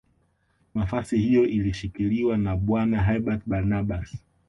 Nafasi hiyo ilishikiliwa na Bwana Herbert Barnabas